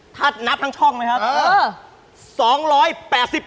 ถ้านับทั้งช่องไหมครับ